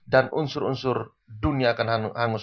dan unsur unsur dunia akan hangus